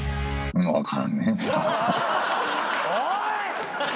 おい！